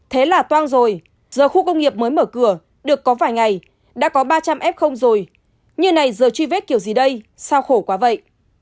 thế là toang rồi giờ khu công nghiệp mới mở cửa được có vài ngày đã có ba trăm linh f rồi như này giờ truy vết kiểu gì đây sao khổ quá vậy